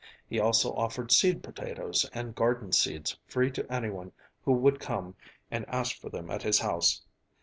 He also offered seed potatoes and garden seeds free to anyone who would come and ask for them at his house.